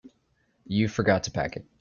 You forgot to pack it.